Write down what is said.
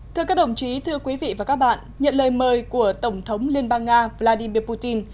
thưa các đồng chí thưa quý vị và các bạn nhận lời mời của tổng thống liên bang nga vladimir putin